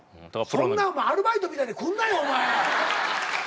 そんなアルバイトみたいに来んなよお前。